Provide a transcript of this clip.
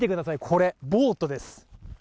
これボートです